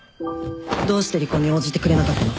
どうして離婚に応じてくれなかったの？